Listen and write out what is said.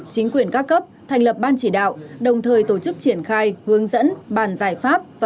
chính quyền các cấp thành lập ban chỉ đạo đồng thời tổ chức triển khai hướng dẫn bàn giải pháp và